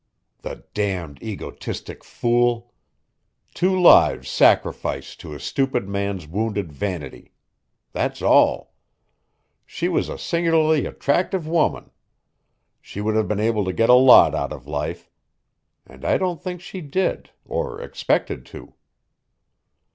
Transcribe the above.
"The damned, egotistic fool! Two lives sacrificed to a stupid man's wounded vanity. That's all. She was a singularly attractive woman. She would have been able to get a lot out of life. And I don't think she did, or expected to."